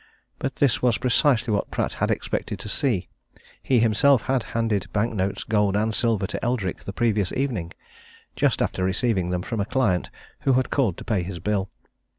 But this was precisely what Pratt had expected to see; he himself had handed banknotes, gold, and silver to Eldrick the previous evening, just after receiving them from a client who had called to pay his bill.